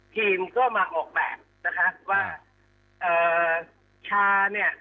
ทีมก็มาออกแบบนะคะว่าเอ่อชาเนี่ย